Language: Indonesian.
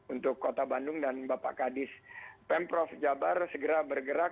untuk kota bandung dan bapak kadis pemprov jabar segera bergerak